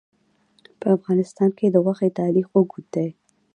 په افغانستان کې د غوښې تاریخ اوږد دی.